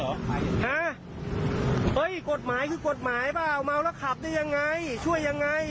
เฮ้ยกฎหมายคือกฎหมายเปล่าเมาแล้วขับได้ยังไงช่วยยังไง